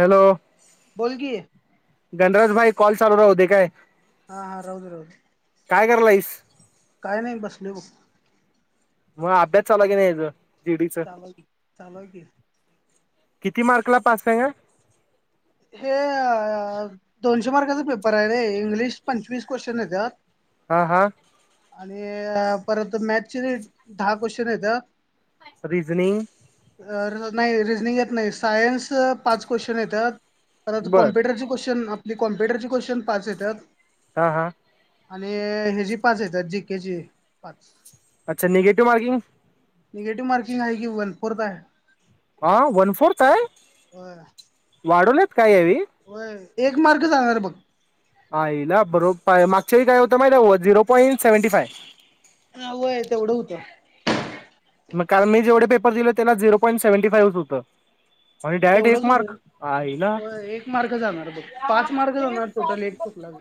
Hello बोल की गणराजभाई कॉल चालू राहू दे काय? हा हा राहुदे राहुदे काय करायलीस काय नाही बसलोय भाऊ मग अभ्यास चालू य की नाही तुझ चालू चालू आहे की किती मार्क ला पास हाय य? हे दोनशे मार्काचा पेपर आहे रे इंग्लिश पंचवीस क्वेशचन येत हा हा आणि परत मॅथचे दहा क्वेश्चन येत रिजनिंग नाही रिजनिंग येत नाही सायन्स पाच क्वेश्चन येतात तर बर कॉम्प्युटरचे क्वेशन की कॉप्युटरचे क्वेश्चन पाच येत्यात. हा हा! आणि हे जी पाच येत्यात, जी के ची पाच. अच्छा निगेटिव्ह मार्किंग? निगेटिव्ह मार्किंग हाय की वन फोरत हाय. हा वन फोर्थ हाय? वाढवल्यात? व्हय एक एक मार्क जाणार बघ आईला बरोब, मागच्या वेळी काय होतं माहि झिरो पॉईंट सेव्हंटी फाय. ह वय तेवढं होत. मग काल मी जेवढे पेपर दिलेत त्याला झिरो पॉईंट सेव्हनटी फाईवच होतं. आणि डायरेक्ट एक तेवढंच मार्क होतं. आयला. होय एक मार्क जाणार बघ पाच मार्क जाणार टोटल एक चुकला की.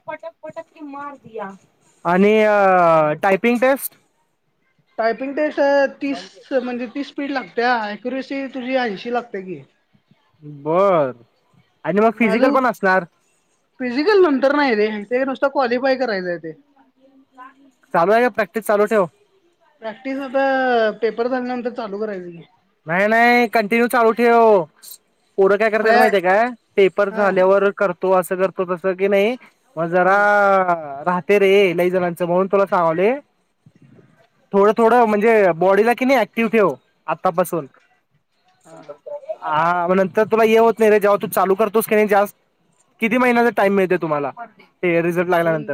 आणि टायपिंग टेस्ट? टायपिंग टेस्ट त तीस म्हणजे तीस स्पीड लागत्या अक्युरसी तुझी ऐंशी लागत्या की. बर आणि मग फिजिकल माझं पण असणार फिजिकल नंतर्न हाय रें. ते नुसतं क्वालिफाय करायचं हाय ते. चालू हाय का? प्रॅक्टिस चालू ठेव. प्रॅक्टिस आता पेपर झाल्यानंतर चालू करायच की. नाही नाही कंटिन्यू चालू ठेव. पुढं काय करत्यात खळ्या माहितीय काय? पेपर हा हम्म झाल्यावर कर तो असं करतो तसं की नइ म जरा राहते रे लई जणांच म्हणून तुला सांगालोय थोडं थोडं म्हणजे बॉडीला किनय ऍक्टिव ठेव. तपासून हा तर तुला हे होत नाही रे जेव्हा तू चालू करतोस की नइ जास्त, किती महिन्याचा टाइम मिळतोय तुम्हाला? ते रिझल्ट दोन लागल्यानंतर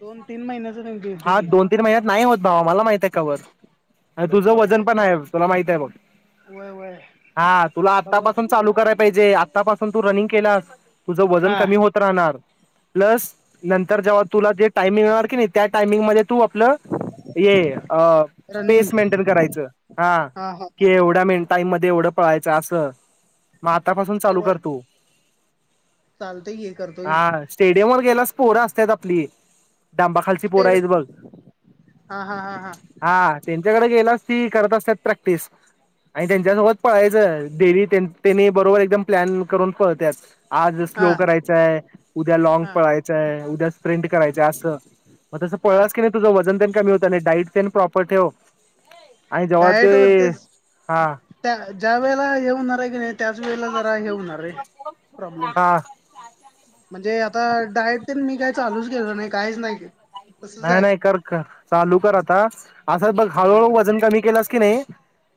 दोन तीन महिन्याच त्यांची होते हा की दोन तीन महिन्यात नाही होत बाबा मला माहित हाय कवर आणि तुझं वजन पण हाय तुला माहित हाय बघ. वय वय हा तुला बघत आतापसून चालू करा पाहिजे. आतापासून तू रनिंग केलास तुझं वजन हा कमी होत राहणार प्लस नंतर जेव्हा तुला ते टाय मिळणार की नाही त्या टायमिंगमध्ये तू आपलं हे, अ रनिंग स्पेस मेंटेन करायचं हा. हा कि हा एवढा मिन टाईम मधे एवढं पळायचं असं. म आतापासून चालू सवय करतो. चालतय ये करतोय स्टेडियमवर गेलास पोर असत्यात आपली. डांबाखालची पोर स्टेड आहेत बघ हा हा हा हा त्यां. त्याकडे गेलास ती करत असत्यात प्रॅक्टिस. आणि त्यांच्यासोबत पळायचं, डेली त्यांनी बरोबर एकदम प्लॅन करून पळत्यात. आज हा स्लो करायचय उद्या लॉग हा पळायचय उद्या स्प्रिंट करायचय असं मग तसं हा पळलास की नाही तुझं वजन पण कमी होतं आणि डाईट स्किन प्रॉपर ठेव. आणि जव्हा डायट ते तेच हा त्या ज्या वेळेला येऊनार. आहे की नाही त्याच वेळेला जरा हे होणार रे प्रॉब्लेम हा! म्हणजे आता डायट मी काही चालूच केलं नाही काहीच नाही. तसच नाही आहे नाही, कर कर, चालू कर आता असं पण हा हळूहळू वजन कमी केल असं किनई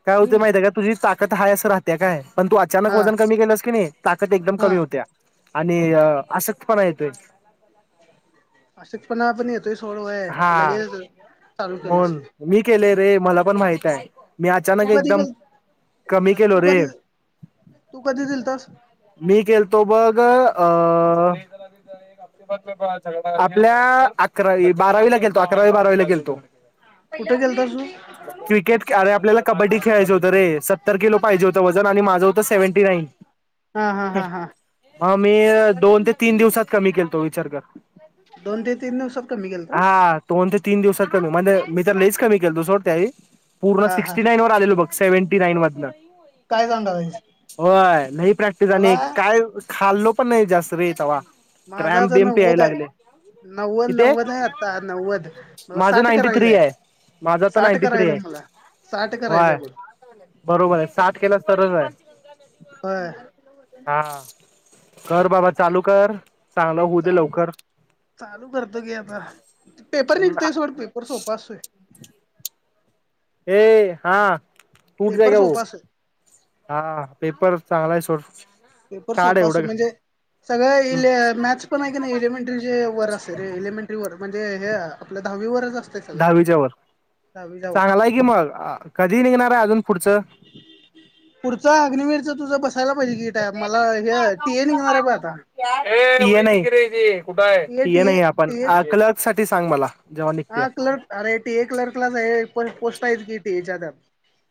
काय होते हम्म माहिती का तुझी ताकत. हाय सर हत्या काय. पण तू अचानक हा वजन कमी केलंस की नाही ताकद एकदम हा कमी होत्या. आणि आशक्त पणा येतोय. अशे पण आपण येतोय सोडवाया हा लगेल चालू केलं अस ते मला पण माहित आहे. मी अचानक कधी एकदम गेल कमी केलो तू रे कधी तू कधी गेलतास मी केलतो बघ. ग अ [unintelligible] आपल्या अकरावी बारावीला गेलतो, अकरावी बारावीला गेलतो. कुठे गेलतास तू क्रिकेट अरे आपल्याला कबड्डी. घ्यायचं होत रे स. तर केल पाहिजे होंत वजन आणि माझं द सेवंटी नाईन हा हा हा हा. हा मी दोन ते तीन दिवसात कमी केलतो विचार कर. दोन ते तीन दिवसात कमी केलतास हा दोन ते तीन दिवसात [inaudible] म्हणजे मी तर लईच कमी केलतो सोड त्यावेळी पूर्ण हा हा सिक्सटी नाईनवर आलेलो बग. सेव्हंटी नाईन मधन काय सांगालायस होय न्हाई प्रॅक्टिस मला आणि काय खाल्लो पण नाई जास्त रे तवा माझा क्रॅम्प आता नव्वद हायं. नव्वद नव्वद आहे आता नव्वद मला माझ साठ नाईंटी थ्री करायचंय हाय. माझा तर साठ नाईंटी थ्री करायचंय हय. मला साठ करायचंय व्हय. बघ बरोबर हय साठ केलस तरच हाय होय हा. कर बाबा चालू कर चांगलं हु दे चालू कर लवकर. चालू [inaudible] पेपर निघतुय सोड. पेपर सोपा असतोय. ये हा पेपर सोपा [unintelligible] असतोय हा पेपर चांगला हाय सोड. पेपर काढ सोपा अस एवढं म्हणजे सगळं हम्म लिया मॅथस पण हाय की नाई एलिमेंट्रीचे वर अस सरे एलिमेंटरी वर म्हणजे हे आपल दहावीवरच दहावीच्या वर. चांगलाय कि मग आ कधी निघणाराय अजून? पुढचं पुढच अग्निवीरच तुझं बस असायला पाहिजे की टायम मला हे टी ए निघणार हाय ब आता. [unintelligible] कुठ हाय? टी ए ती टी ए न्हाय आपण टी ए आकल ते सांग मला जेव्हा निघत्या हा क्लर्क अरे टी ए क्लर्कलाच हाय पण पोस्ट आहेच की टी एच्या त्या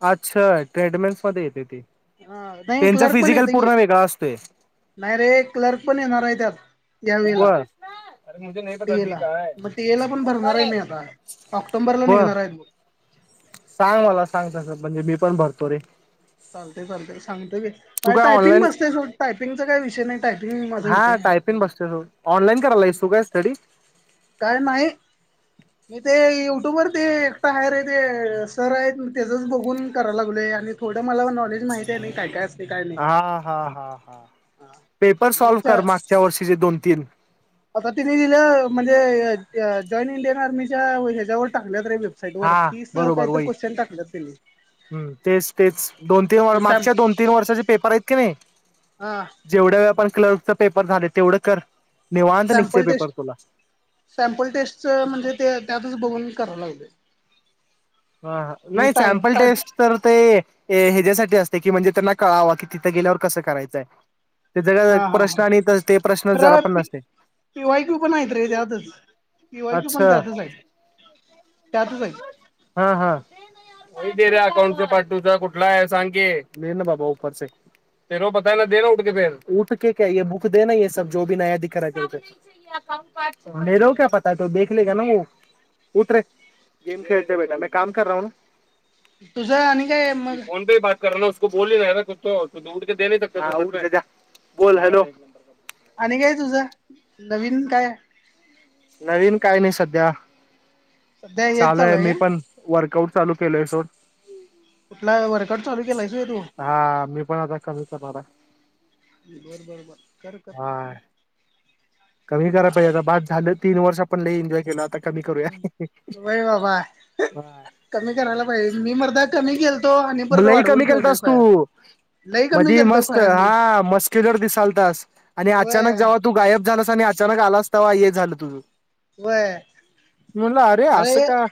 अच्छा ट्रेडमेन्स मध्ये येतय ते. ह नाई क्लर्क पण येतय कि. असतोय नाई अरे क्लर्क पण येणार हाय त्यात या वेळला बर अरे मुझे नाही पता दी टीएला कहा है. मग टीएला पण भरणार हाय मी आता ऑक्टोंबरला बर निघणार हायत बग सांग मला सांग तसं म्हणजे मी पण भरतो रे चालतय चालतय सांगतो कि. तू काय टायपिंग ऑनलाईन बसतय सोड टायपिंगचा काय विषय नाई टायपिंग माझं हुतंय हा टायपिंग हम्म बसतोय तू ऑनलाईन करायलायस तू काय स्टडी काय न्हाई. मी ते युट्यूब वर ते एकट हाय रे ते सर आहेत तेजच बघून कराय लागलोय आणि थोडं मला नॉलेज माहिती आहे नाही काय काय असते काय नाही. हा-हा-हा-हा पेपर सॉल्व कर मी मागच्या वर्षीचे दोन. तीन. आता तिने दिलं म्हणजे जॉईन इंडियन आर्मीच्या ह्याच्यावर टाकले रे वेबसाईट वर हा तीस बरोबर काहीतर वई् क्वेश्चन टाकल्यात त्यांनी हम तेच तेच दोन तीन सॅम मागच्या दोन तीन वर्षाचे पेपर आहेत की नाही हा जेवढ्या वे आपण क्लर्क पेपर झालेत तेवढं कर. निवांत निघते सॅम्पल पेपर टेस्ट तुला सॅम्पल टेस्टचं म्हणजे त्यातच बघून कराय लागलोय. हा नाही सॅम्पल टायप टेस्ट तर ते हेच्यासाठी असते की म्हणजे त्यांना कळावं, की तिथं गेल्यावर कसं करायचंय. ते जग हा हा प्रश्न हा आणि त ते प्रश्न च जरा खरं पण नसतय. पी पिवाय कू पण त्यातच हाईत. त्यातच हाईत. [unintelligible] [unintelligible] तुझं आणि काय ये मग? फोन पे ही बात [unintelligible] आणि काय तुझं नवीन काय? नवीन काय नाही सध्या. सध्या हेच चालू चालुय आहे मी का पण वर्कआउट चालू केलोय सोड. कुठला वर्कआउट चालू केलायस व्हय तु? बाबा बर-बर-बर कर-कर. पण लई एन्जॉय केला आता कमी करूया. व्हय बाबा कमी करायला पाहिजे. मी मरदा कमी केलतो आणि म परत लई कमी वाढवून ठेवलोय केलतास तू, खोळ्या लई कमी मधी केलतो मस्त खोळ्या मी हा मस्क्युलर दिसालतास आणि अचानक व्हय जेव्हा तू गायब झालास आणि अचानक आलास तवा हे झालं तुझं व्हय मी म्हणल अरे असं का?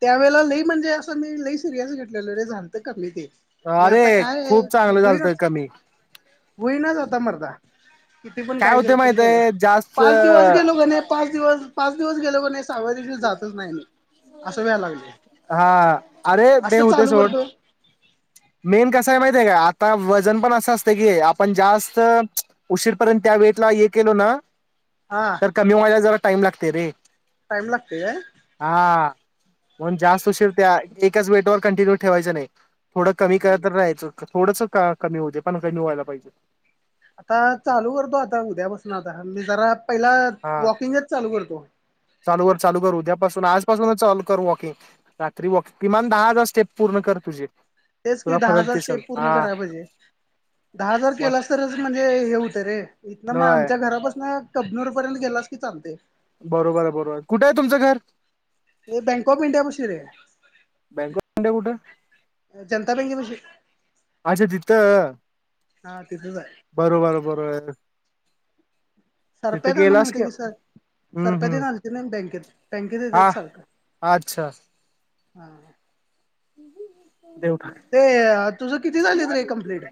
त्यावेळेला लई म्हणजे असं मी लई सिरियस घेतलेलं रे झालतं कमी ते नइ अरे आता काय खूप चांगलं झालतं हुईनाच कमी. होईनाच आता मार्दा. किती पण काय काही जरी होते पण केलास माहितय जास्त पाच दिवस गेलो की नय पाच दिवस, पाच दिवस गेलो की नइ सहाव्या दिवशी जातच नाही आम्ही असं व्याय लागलंय. हा अरे ते हुतय सोड. करतो मेन कसं हाय माहिती हाय काय आ आता वजन पण असं असतं की आपण जास्त उशीरपर्यंत त्या वेटला हे केलो ना हा तर कमी वयात जरा टाइम लागतय रे टाइम लागतोय काय? हा. म्हणून जास्त उशीर त्या एकच वेट वर कंटिन्यू ठेवायच नाही थोडं कमी करतच रायचं थोडस का कमी होऊ दे पण कमी व्हायला पाहिजे आता चालू करतो आता उद्यापासून आता मी जरा पहिला हा. वॉकिंगच चालू करतो चालू कर चालू कर उद्यापासून आजपासूनच चालू कर वॉकिंग रात्री वॉकिंग किमान दहा हजार स्टेप पूर्ण कर तुझे तेच की तुला दहा फरक हजार दिसल स्टेप हा पूर्ण करायला पाहिजे दहा हजार मग केलास तरच म्हणजे हे होतं रे इथन मग होय आमच्या घरापासन कबनूर पर्यंत गेलास की चालते बरोबर आहे बरोबर कुठे आहे तुमचं घर हे बँक ऑफ इंडिया पशी रे बँक कुठं जनता बँके पशी [unintelligible] अच्छा तिथं हा तिथंच आहे. बरोबर बरोबर सरप्या तिथं त्यांना गेलास माहिती आहे की सांग हम्म सरपया तेन हम्म आलती ना बँकेत बँकेत हा येतात सारखं अच्छा हा देव ते तुझ किती झालीत रे कमप्लीट?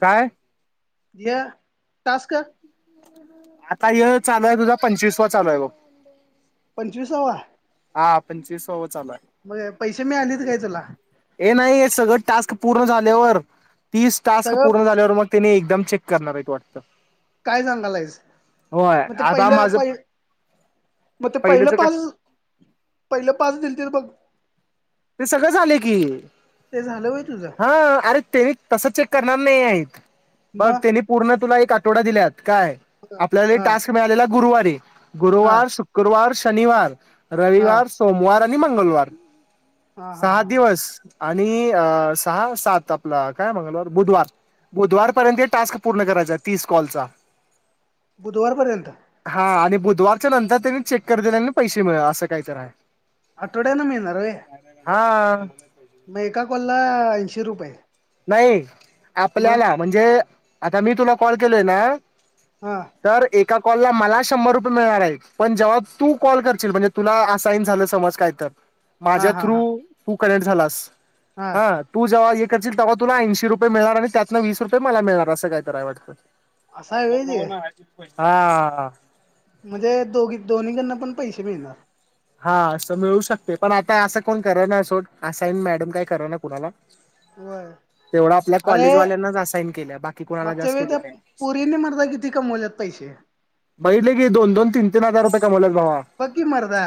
काय हे टास्क आता य चालू आहे तुझा पंचवीस वा चालू आहे बघ पंचवीसावा हा पंचवीसावा चालू आहे मग पैसे मिळालेत काय तुला? हे नाही हे सगळं टास्क पूर्ण झाल्यावर तीस टास्क सगळं पूर्ण झाल्यावर मग तेनी एकदम चेक करणार हाईत वाटतं काय सांगालायच होय मग ते आता पहिलं माझं पहि मग ते पहिलं पहिलंच काय पाच पहिलं पाच दिलतीत बघ ते सगळं झाले की ते झालं व्हय तुझं हा अरे तेनी तस चेक करणार [unintelligible] बघ मग त्यानी पूर्ण तुला एक आठ टोडा दिल्यात काय आपल्याला हा टास्क मिळालेला? गुरुवारी हा हा गुरुवार शुक्रवार श शनिवार हा रविवार, सोमवार नी मंगलवार हा हा सहा हा दिवस आणि अअ सहा सात आपला काय मंगलवार बुधवार बुधवार पर्यंत टास्क पूर्ण करायचाय तीस कॉलचा बुधवार पर्यंत हा आणि बुधवारच्या नंतर त्यांनी चेक करतील आणि पैसे मिळ असं काही तर आहे. आठवड्यान मिळणार होय. हा मग एका कॉला ऐंशी रुपये नाही. मग आपल्याला म्हणजे आता मी तुला कॉल केलोय ना हा तर एका कॉलला मला शंभर रुपये मिळणार आहेत पण जेव्हा तू कॉल करशील म्हणजे तुला असाईन झालं समज काय तर हा माझ्या हा हा थ्रू कनेेक्ट झालास हा तू जेव्हा एक तील तवा तुला ऐंशी रुपये मिळणार आणि त्यातनं वीस रुपये मला मिळणार अस काय तर हाय वाटतं. असं काय आहे करू व्हय ते नको हाईत तेच पै हा म्हणजे दोघी दोन्हीकडन पण पैसे मिळणार. हा असं मिळू शकतय पण आता असं कोण करना असाईन मॅडम काय करना कुणाला व्हय तेवढा आपल्या अरे कॉलेजवाल्यांनाच असाईन केल्या बाकी कोणाला मागच्या जास्त वेळ केले त्या नाही पोरींनी म्हणता किती कमवल्येत पैसे बघितलं की दोन दोन तीन तीन हजार रुपये कमवल्या बग की मर्दा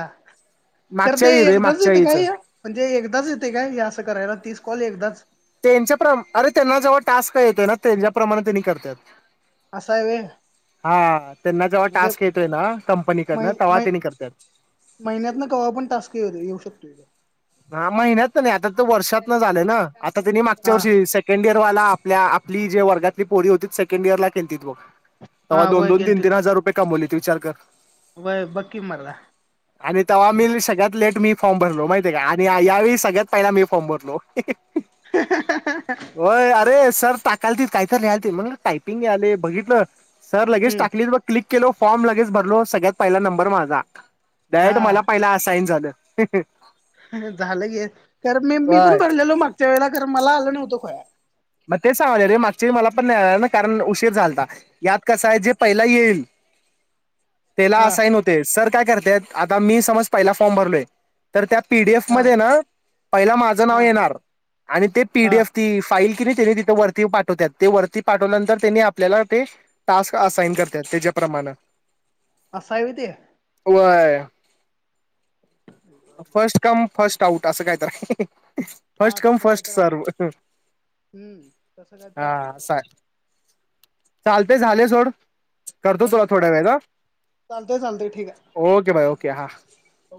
खरं मागच्या ते वेळी रे एकदाच मागच्या येतय वेळीचं काय म्हणजे एकदाच येतय काय हे असं करायला. तीस कॉल एकदाच त्येंच्या प्र अरे त्यांना जेव्हा टास्क येतोय ना त्यांज्याप्रमाणे त्यांनी करतात. असा आहे व्हय हा त्यांना जेव्हा म्हणजे टास्क येतोय ना मै कंपनीकडनं तेव्हा मै त्यांनी करतात. महिन्यातन कवा पण टास्क येऊ शकतोय तो. हा महिन्यातन नाय आता वर्षातन झालं ना आता त्यांनी मागच्या हा वर्षी सेकंड इयरवाला पल्या आपली जे वर्गातली पोरी होती सेकंडइयरला केलतीत बघ तवा हा दोन वय दोन तीन केलतीत तीन हजार रुपये कमवलीत. विचार कर वय बघ की मर्दा आणि तवा मी बी सगळ्यात लेट मी फॉर्म भरलो माहित [inaudible] आणि यावेळी सगळ्यात पहिला मी फॉर्म भरलो. व्हय अरे सर टाकालतील कायतर लिहालते मग टायपिंग यायलय बघितलं सर लगेच हम्म टाकली बघ क्लिक केलो फॉर्म लगेच भरलो सगळ्यात पयला नंबर माझा डारेक्ट मला पहिला आसाईन झालं. ह ह हं हं झालं घे. तर मी मी पण होय भरलेलो मागच्या वेळेला ख तर मला आलं नव्हतं खुळ्या मग तेच सांगालोय रे मागच्या मला पण नाही आला ना कारण उशीर झालता यात कसं आहे जे पहिला यील तेला हा असाइन होते सर काय करत्यात? पी डी एफ हा मध्ये हाय ना पहिला माझं नाव हा येणार आणि ते पी डी हा एफ ती फाईल तेनी तिथ वरती पाठवत्यात ते वरती पाठवल्यानंतर तेन्ही आपल्याला ते टास्क असाईन करत्यात तेज्याप्रमाण. आसं हाय व्हई ते? व्हय. First come first. टाऊट असं कायतर हं हं हं हा फस्ट कम तसं काय फस्ट तर सर्वं असणार हं. हम्म. तस कायतर असणार वाटत. चालतय झालय सोड. करतो तुला बरं थोड्या वेळेत चालतंय चालतंय चालतंय ठीक आहे हं ओके बाय ओके हा. ओके.